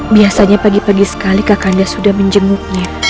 biasanya pagi pagi sekali kakanda sudah menjenguknya